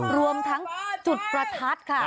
รวมทั้งจุดประทัดค่ะ